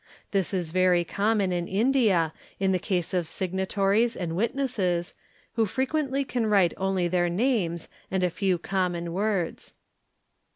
This is very common in India in the case of signatories and witnesses, who frequently can write only their names and a few common words.